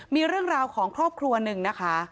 มีเรื่องราวของครอบครัวหนึ่งนะคะ